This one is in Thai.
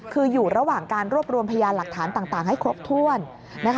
คืออยู่ระหว่างการรวบรวมพยานหลักฐานต่างให้ครบถ้วน